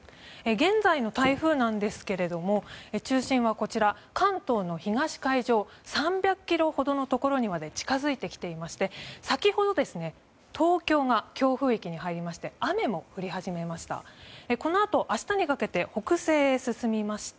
現在の台風なんですけれども中心は関東の東海上３００ｋｍほどのところまで近づいてきていまして先ほど東京が強風域に入りまして雨も降り始めました。